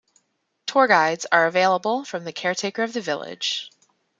Tour guides are available from the caretaker of the village.